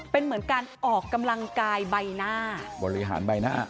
เป็นเหมือนการออกกำลังกายใบหน้าบริหารใบหน้า